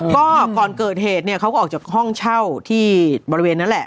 ก็ก่อนเกิดเหตุเนี่ยเขาก็ออกจากห้องเช่าที่บริเวณนั้นแหละ